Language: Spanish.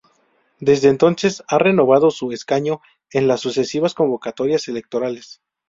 Desde entonces ha renovado su escaño en las sucesivas convocatorias electorales.